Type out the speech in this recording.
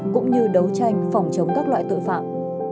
cũng như đấu tranh phòng chống các loại tội phạm